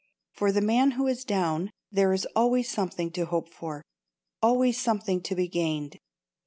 For the man who is down there is always something to hope for, always something to be gained.